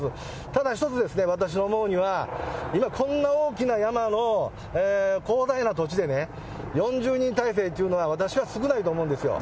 ただ、一つですね、私思うには、今、こんな大きな山の広大な土地でね、４０人態勢っていうのは、私は少ないと思うんですよ。